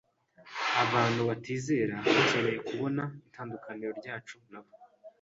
abantu batizera bakeneye kubona itandukaniro ryacu nabo,